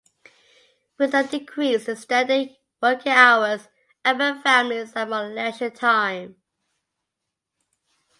With the decrease in standard working hours, urban families had more leisure time.